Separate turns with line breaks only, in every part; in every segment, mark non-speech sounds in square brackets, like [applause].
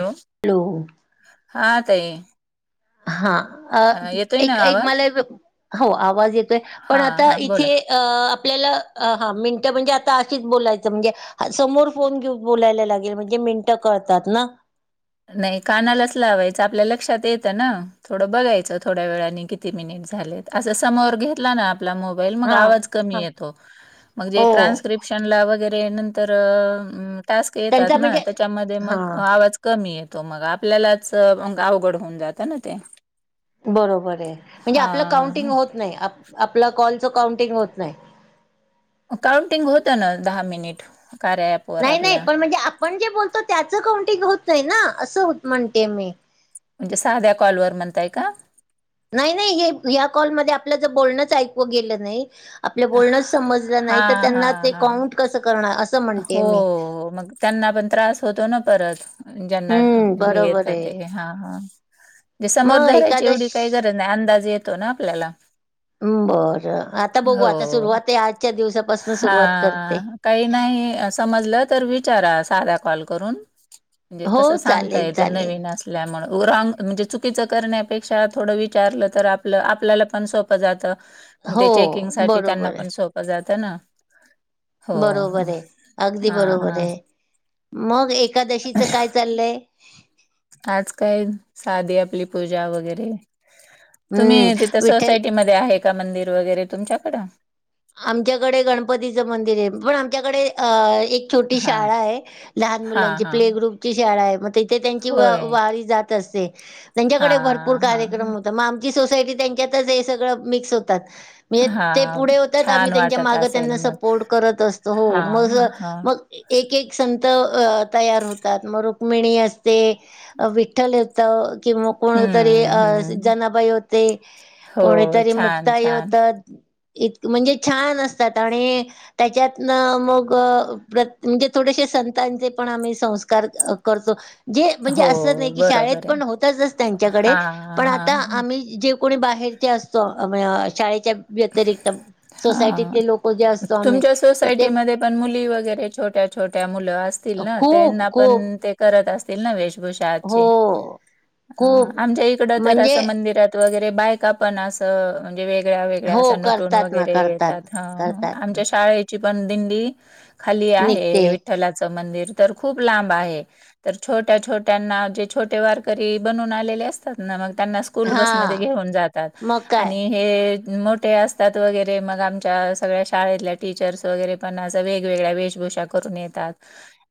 Hello
hello
हा ताई?
हा अ
येतोय ना
एक
आवाज
मला हो आवाज येतोय,
हा
पण आता
हा बोला
इथे अ आपल्याला हा मिनटं म्हणजे आता अशीच बोलायचं म्हणजे समोर फोन घेऊ बोलायला लागेल, म्हणजे मिनटं कळतात ना.
नाही कानालाच लावायचं आपल्या लक्षात येतं ना, थोडं बघायचं थोड्या वेळाने किती मिनिट. झालेत. असं समोर घेतला ना [unintelligible] मोबाईल मग
हा
आवाज
हा
कमी येतो. मग जे
हो
ट्रान्स्क्रिप्ला क्रिप्शनला वगैरे नंतर अ उम टास्क येतात
त्यांचा
ना,
म्हणजे
त्यामध्ये
हा
मग आवाज कमी येतो, मग आपल्यालाच म अवघड होऊन जातं ना ते.
बरोबरये, म्हणजे आपलं काउंटिंग
हा
होत नाही, आपलं कॉलचं काउंटिंग होत नाही
काउंटिंग होतं ना, दहा मिनिट, कार्या ॲप
नाही नाही, पण म्हणजे आपण जे बोलतो त्याचं काउंटिंग होतय ना, असं म्हणते मी.
म्हणजे साध्या कॉलवर म्हणताय का?
नाही नाही हे या कॉलमध्ये आपलं ज बोलणंच ऐकू गेलं नाही आपलं बोलणंच समजलं नाही तर,
हां,
त्यांना
हां,
ते
हां.
काउंट कसं करणार, अस
हो, मग त्यांना पण त्रास होतो ना परत. ज्यांना
हम्म
हे येत
बरोबर आहे
ते, हा हा जे समोर
मग
धरायची
एकादश
एवढी काही गरज ना अंदाज येतो ना आपल्याला.
बरं, आता बघू
हो.
आता, सुरुवात ये आजच्या दिवसापासून सुरुवात करते
हां, काही नाही समजलं तर विचारा, साधा कॉल करून. म्हणजे
हो
कसं सांगता
चालेल
येतं.
चालेल
नवीन अस [unintelligible] म्हणजे राँग चुकीच करण्यापेक्षा, थोडं विचारलं तर आपलं, आपल्याला पण सोपं प जात, मग
हो
ते चेकिंग साठी त्यांना
बरोबर
पण सोप जात ना. हो, हो.
बरोबरये, अगदी
हां, हां.
बरोबरये, मग एकादशीचं काय चाललंय?
आज काय? साधी आपली पूजा वगैरे.
हम्म
तुम्ही तिथं,
विठ्ठल
सोसायटीमध्ये आहे का, मंदिर वगैरे तुमच्याकडं.
आमच्याकडे गणपतीचं मंदिरये, पण आमच्याकडे अ एक छोटी
हां
शाळा ये, लहान
हां
मुलांची
हां
प्ले ग्रुपची शाळाये मग ती ते त्यांची व
होय.
वारी जात असते, त्यांच्याकडे भरपूर
हां हां हां.
कार्यक्रम म आमची सोसायटी त्यांच्यातच हे सगळं मिक्स होतात, म्हजे ते
हां
पुढे तात.
छान
आम्ही त्यांच्या
वाटत
माग
असेल
त्यांना
मग
सपोर्ट करत असतो, हो.
हां हां.
मग एक एक अ संत तयार होतात, मग रुक्मिणी असते. विठ्ठल येतो, किं म कोनोतरी अ
हं, हं.
जनाबाई होती,
हो
कोणीतरी
छान,
मुक्ताई
छान.
होत. म्हणजे छान असतात, आणि त्याच्यातन मग, प्रत् म्हणजे, थोडेशे संतांचे पण, आम्ही संस्कार करतो. जे, म्हणजे
हो
असं नही की, शाळेत
बरोबर आहे.
पण होतातच त्यांच्याकडे,
हां,
पण आता
हां, हां.
आम्ही जे कोणी बाहेरचे असतो, शाळेच्या व्यतिरिक्त,
हां.
सोसायटीतले लोकं
तुमच्या सोसायटीमध्ये पण, मुली वगैरे छोट्या- छोट्या मुलं असतील ना,
खूप
त्यांना
खूप
पण ते करत असतील ना, वेशभूषा आज,
हो खूप
आमच्या इकडं तर,
म्हणजे
असं मंदिरात वगैरे, बायका पण असं, म्हणजे वेगळ्या-वेग गळ्या
हो
असं नटून
करतात ना
वगैरे
करतात
येतात, हं
करतात ना
आमच्या शाळे ची पण दिंडी, खाली
निघते
आहे विठ्ठलाच मंदिर, तर खूप लांब आहे. तर छोट्या-छोट्यांना, जे छोटे वारकरी बनून आलेले असतात ना, मग त्यांना स् कूल
हा
बसमध्ये घेऊन जातात,
मग काय
आणि हे मो टे असतात वगैरे, मग आमच्या सगळ्या शाळेतल्या, टीचर्स वगैरे पण असं, वेगवेगळ्या वेशभूषा करून येतात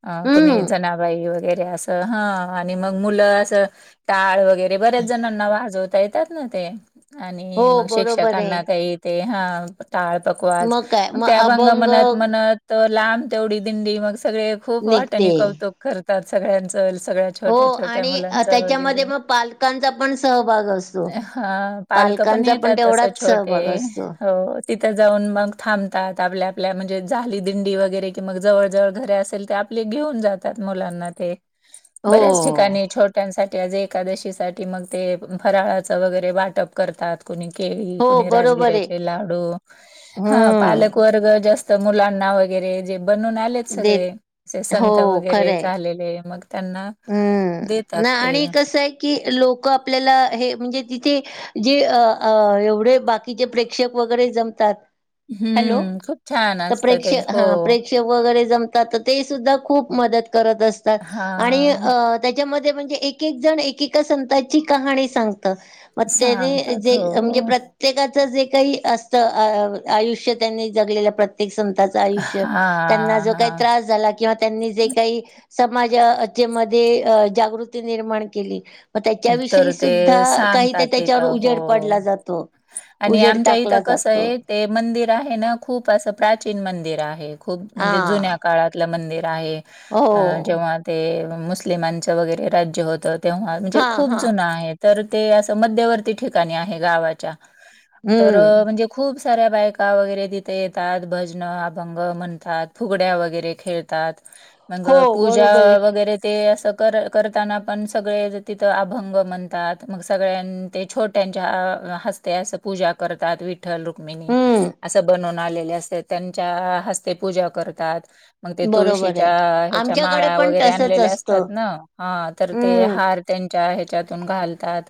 अ कोणी
हम्म
जनाबाई वगैरे, असं हं, आणि मग मुलं असं, टाळ व वगैरे, बऱ्याच जणांना वाजवता येतात ना ते,
हो
आणि मग
बरोबर आहे.
शिक्षकांना ते येते, हं टाळ, पकवाज,
मग काय
म ते
मग
अभंग म्हणत- म्हणत त लांब तेवडी दिंडी, मग सगळे खूप
निघते.
वाटानी कौतुक करतात, सगळ्यांच, सगळ्या
हो
छोट्या-छोट्या
आणि अ,
मुलांचा
त्याच्यामध्ये
वगैरे,
मग पालकांचा पण सहभाग असतो.
हां. पालक पण
पालकांचा
येतात, तसं
तेवढाच
छोटे
सहभाग असतो.
हो, तिथं जाऊन मग थांबतात, आपल्या-आपल्या, म्हणजे झाली दिंडी वगैरे, कि मग जवळ-जवळ घरे असेल त, आप पले घेऊन जातात, मुलांना ते.
[unintelligible]
बऱ्याच ठिकाणी छोट टंयासाठी आज एकादशी साठी, मग ते फराळाचं वगैरे, वाटप करतात, कुणी केळी
हो
कूणी
बरोबर आहे.
राजगिऱ्याचे लाडू, हं पालक
हम्म
वर्ग जास त मुलांना वगैरे, जे बनवून आल तेच
देत
सगळे,
हो
संत वगैरे
खरंय.
झालेले, मग त्यांना
हम्म, न
देतात ते.
आणि कसं ये की, लोकं आपल्याला, हे म्हणजे तिथे जे अ अ एवढे, बाकीचे प्रेक्षक वगैरे, जमतात. हॅलो
हम्म, खूप छान
तर
असतं ते,
प्रेक्षक
हो.
[unintelligible] वगैरे जमतात, त ते सुद्धा खूप मदत करत असता.
हां,
अ त्याच्यामध्ये, म्हणजे एक-एक जण, एकेका संतांची कहाणी सांगत. म त्यानी
सांगतात
जे,
हो.
म्हणजे प्र प्रत्येकाचं जे काही असतं, अ आयुष्य त्यांनी जगलेल्या, प्रत्येक संताच आयुष्य, त्यांना
हां,
जो काही
हां.
त्रास झाला किंवा त्यांनी जे काही, समाजा जे मध्ये, जागृती निर्माण केली. म त्याच्याविषयी
तर ते
सुद्धा, काहीत
सांगतात
त्याच्यावर,
तिथं.
उजेड पडला
हो.
जातो.
आणि
उजेड
आमच्या इथं
टाकला
कसं
जातो.
आहे, ते मंदिर आहे ना, खूप असं प्राचीन मंदिर आहे, खूप
हा
म्हणजे जुन्या काळात पलं मंदिर आहे,
हो.
जेव्हा ते मुस्लिमांच वगैरे, राज्य होत तेव्हा म्हणजे
हा
खूप
हा
जूनं आहे, तर ते असं मध्यवर्ती ठिकाणी आहे, गावाच्या. तर
हम्म
म्हणजे खूप साऱ्या बायका, वगैरे तिथे येतात, भजनं, अभंग म्हणतात, फुगड्या वगैरे खेळतात.
हा [unintelligible]
मग पूजा वगैरे ते, असं कर करताना पण सगळे तिथं अभंग म्हणतात मग सगळ्यां ते छोट्यांच्या हस्ते हं पूजा करतात विठ्ठल-रुक्मिणी
हम्म
असं बनवून आलेले असते त्यांच्या हस्ते पूजा करतात मग ते
बरोबर
तुळशीच्या
आहे
ह्याच्या
आमच्याकडे
माळा
पण
वगैरे
तसच
आणलेल्या असतात
असतं
ना हा तर ते
हम्म
हार त्यांच्या ह्याच्यातून घालतात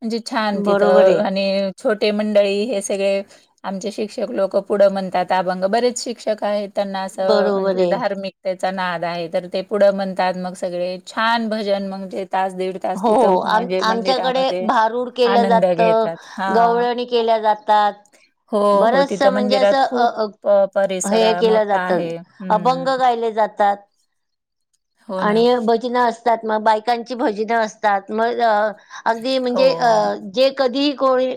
म्हणजे छान
बरोबर आहे
तिथं आणि,, छोटे मंडळी हे सगळे आमचे शिक्षक लोक पुढं म्हणतात अभंग बरेच शिक्षक आहेत त्यांना असं
बरोबर
म्हणजे,
आहे
धार्मिक त्याचा नाद आहे तर ते पुढं म्हणतात मग सगळे छान भजन मगजे तास दीड तास
हो
तिथं
हो,
म्हणजे
आमच्याकडे
मंदिरामध्ये
भारूड केलं
आनंद
जात,
घेतात. हां.
गवळणी केल्या जातात
हो, हो.
बरच
तिथं
म्हणजे
मंदिरात
असं
खूप
अ
प परिसर
हे
अ,
केलं
मोठा
जात
आहे.
अभंग
हं.
गायले जातात
हो ना.
आणि, भजनं असतात मग, बायकांची भजन असतात मग अगदी म्हणजे
हो.
जे कधीही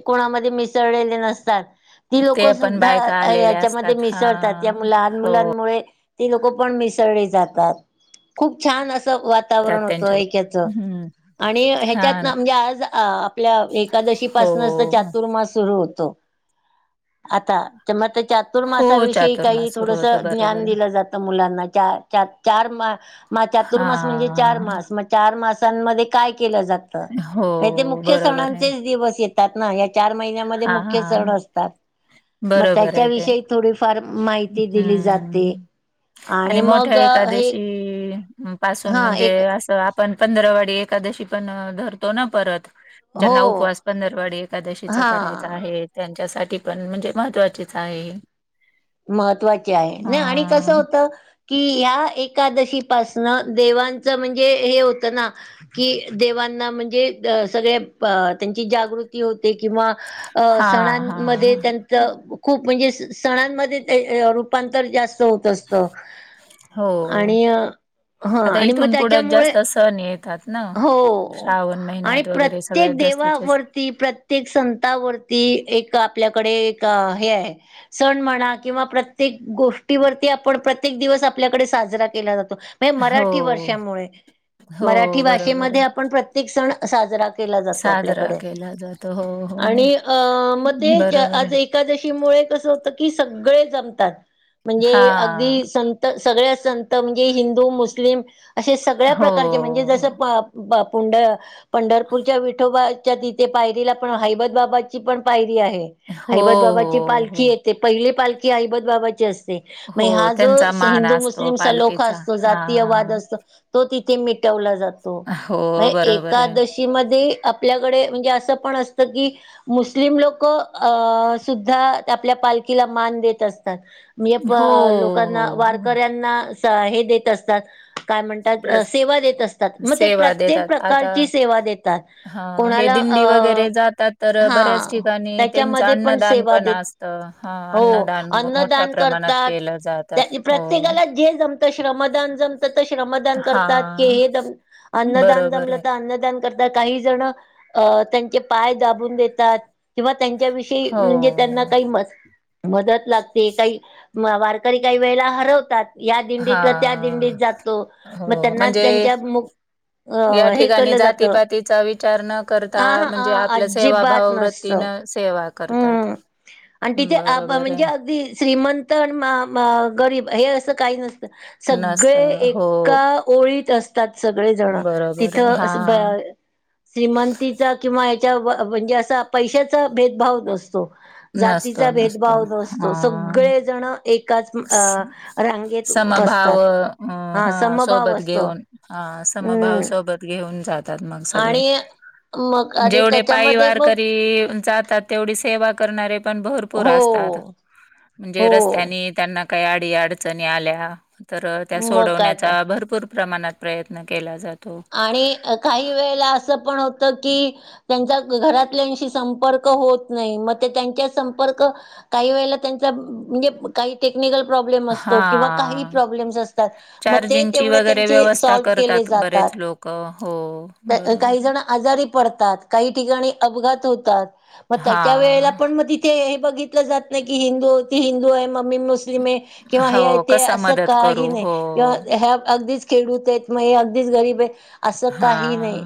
कोणामध्ये मिसळलेले नसतात ती
ते
लोकं
पण बायका
सुद्धा
आलेल्या असतात.
याच्यामध्ये मिसळतात या
हां.
लहान
हो.
मुलांमुळे ते लोक पण मिसळले जातात खूप छान असं
त्यात
वातावरण होतं
त्यांच्या
ऐकायचं
हं.
आणि, ह्याच्यात ना म्हणजे आज आपल्या एकादशी
हो,
पाासूनच तर
हो.
चातुर्मास सुरू होतो, आता च म त्याच्या चातुर्मासा
हो,
विषयी काही
चातुर्मास सुरू
थोडस
होतो.
ज्ञान
बरोबर आहे.
दिलं जातं मुलांना चार, चार, चा मास चातुर्स मास म्हणजे चार
हां.
मास मग चार मासांमध्ये काय केलं जात हे ते
हो,
मुख्य
बरोबर आहे.
सणांचेच दिवस येतात ना या चार महिन्यामध्ये
हां,
मुख्य सण
हां.
असतात मग
बरोबर आहे ते.
त्याच्याविषयी थोडीफार माहिती दिली जाते
हं.
आणि मग
मोठ्या
हे
एकादशी अ, पासून
हा
म्हणजे
एक
असं आपण पंधरावाडी एकादशी पण धरतो ना परत ज्यांना
हो
उपवास पंधरवाडी एकादशीचा करायचा
हा
आहे त्यांच्यासाठी पण म्हणजे महत्त्वाचेच आहे.
महत्त्वाची आहे, ना आणि कसं
हां.
होत कि, ह्या एकादशी पासन देवांचं म्हणजे हे, होतं ना कि देवांना म्हणजे, सगळे अ त्यांची जागृती होते, किंवा अ,
हां, हां.
सणांमध्ये
हां.
त्यां तर खूप म्हणजे सणांमध्ये, ते रूपांतर जास्त होत, जास्त
हो.
आणि हा,
आता
आणि मग
इथून पुढं
त्याच्यामुळे
जास्त सण येतात ना,
हो
श्रावण महिन्यात वगैरे सगळ्यात जास्तीत जास्त
ती प्रत्येक संतावरती एक आपल्याकडे एक हे आहे. सण म्हणा, किंवा प्रत्येक गोष्टीवरती आपण प्रत्येक दिवस आपल्याकडे साजरा केला जातो.
हो,
मराठी वर्षामुळे,
हो.
मराठी मराठी
बरोबर
भाषेमध्ये
आहे.
आपण प्रत्येक सण साजरा केला जातो.
साजरा
आपल्याकडे
केला जातो. हो, हो, हो.
आणि अ, मग, ते, ते
बरोबर
आज
आहे.
एकादशी मुळे कसं असतं की सगळे जतात म्हणजे
हां.
अगदी सगळे संत म्हणजे, हिंदू, मुस्लिम असे सगळे
हो,
प्रकार म्हणजे पुंड, पंढरपूरच्या विठोबाच्या तिथे पायरीला पण हैबत बाबाची पण पायरी आहे.
हो,
हैबत बाबाची
हो,
पालखी
हो.
येते, पहिले पालखी हैबत बाबाची असते.
हो,
महाजो
त्यांचा मान
हिंदू
असतो
मुस्लिमचालोखा
पालखीचा.
असतो. जातीयवाद
हां.
असतो. तो तिथे मिटवला जातो.
हो,
म्ह
बरोबर आहे.
एकादशी मध्ये आपल्याकडे म्हणजे, असं पण असतं की मुस्लिम, लोक अ सुद्धा आपल्या पालखीला मान देत असतात. मी
हो,
पण लोकांना
हो, हो.
वारकऱ्यांना स हे देत असतात काय म्हणतात,
प्रस
सेवा देत असतात. मग ते
सेवा
प्रत्येक
देतात. आता
प्रकारची सेवा देतात,
हां, हे
कोणाला अ
दिंडी वगैरे जातात तर अ, बऱ्याच
हा,
ठिकाणी त्यांचं
त्याच्यामध्ये पण
अन्नदान
सेवा देत
असतं. हां,
हो
अन्नदान मोठ्या
अन्नदान
प्रमाणात
करतात
केलं
त्या
जातात.
[unintelligible]
हो.
प्रत्येकाला जे जमतं श्रमदान जमतं तर श्रमदान करतात
हां,
[unintelligible] अन्नदान
बरोबर
जमलं
आहे.
तर अन्नदान करतात काही जण, अ त्यांचे पाय दाबून देतात. किंवा त्यांच्या विषयी म्हणजे त्यांना
हो.
काही मस मदत लागते काही, वारकरी काही वेळेला हरवतात. या दिंडीतला त्या
हा,
दिंडीत जातो मग
हो,
त्यांना
म्हणजे
त्यांच्या मु अ
या
हे
ठिकाणी
केलं जातं
जातीपातीचा विचार न करता
हा हा
म्हणजे आपलं
अजिबात
सेवाभाव
नसतं
वृत्तीनं सेवा करतात.
हम्म आणि तिथे आप
बरोबर
म्हणजे
आहे.
अगदी श्रीमंत तर म म गरीब हे असं काही नसतं, सगळे
नसतं हो
एका ओळीत असतात सगळेजण
बरोबर आहे
तिथं
हा
असं श्रीमंतीचा किंवा याच्या व [unintelligible] म्हणजे, असा पैशाचा भेदभाव नसतो.
नसतो
जातीचा
नसतो
भेदभाव नसतो
हा.
सगळेजणं एकाच अ रांगेत
समभाव
बसतात,
अ
हा समभाव
सोबत
असतो.
घेऊन हा समभाव
हम्म
सोबत घेऊन जातात, मग सगळे.
आणि मग आणि
जेवढे पायी
त्याच्यामध्ये मग
वारकरी जातात तेवढी सेवा करणारे पण भरपूर
हो
असतात.
हो
म्हणजे रस्त्यानी त्यांना काही अडी अडचणी आल्या तर त्या
मग काय तर
सोडवण्याचा भरपूर प्रमाणात प्रयत्न केला जातो.
आणि काही वेळेला असं पण होत की त्यांचा घरातल्याशी संपर्क होत नाही, मग ते त्यांच्या संपर्क काही वेळेला त्यांचा म्हणजे काही टेक्निकल प्रॉब्लेम
हा
असतो, किंवा काही प्रॉब्लेम्स असतात. मग ते
चार्जिंगची
तेवढे त्यांचे सॉल्व केले जातात.
का हो बरोबर.
काही जण आजारी पडतात काही ठिकाणी अपघात होतात. मग
हा
त्याच्या वेळेला पण तिथे हे बघितलं जात नाही की हिंदू ती हिंदू आहे मग मी मुस स्लिम आहे किंवा
हो
हे
कसा
असं
मदत
काही
करू
नाही
हो
किंवा ह्या अगदीच खेडूत आहेत मग अगदीच गरीब आहे
हा.
काही नाही,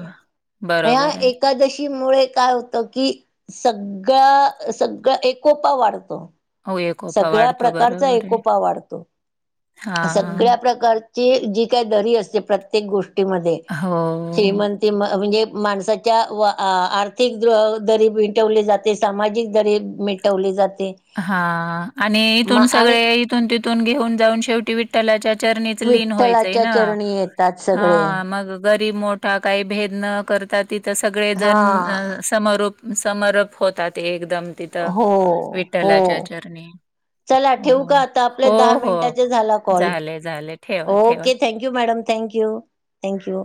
बरोबर
[unintelligible]
आहे
एकादशी मुळे काय होतं की सगळ्या सगळं एकोपा वाढतो.
हो एकोपा
सगळ्या
वाढतो
प्रकारचा
बरोबर आहे
एकोपा वाढतो, सगळ्या
हा
प्रकार ची जी काय दरी असते प्रत्येक गोष्टीमध्ये
हो.
श्रीमंत. ते म म्हणजे माणसाच्या आर्थिक द-दरी मिटवली जाते, सामाजिक दरीे मिट टवली जाते.
हा आणि
म
इथून
आणि
सगळे इथून तिथून घेऊन जाऊन शेवटी विठ्ठलाच्या चरणीच लीन होय.
अच्छा चरणी येतात सगळे.
मग गरीब मोठा काही भेद न करता तिथं सगळे
हा
जण अ समरूप, समरूप होतात एकदम. तिथं
हो. हो
[unintelligible] चरणी
चला
हो,
ठेऊ का
हो.
आता आपल्या दहा
हो, हो.
मिनटाचे झाला कॉल.
झाले, झाले. ठेवा, ठेवा.
Okay! Thank you madam, thank you, thank you.